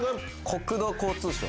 国土交通省。